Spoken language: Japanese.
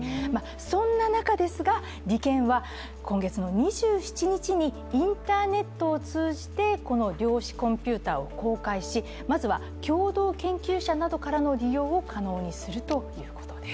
そんな中ですが理研は今月の２７日にインターネットを通じて量子コンピューターを公開しまずは共同研究者などからの利用を可能にするということです。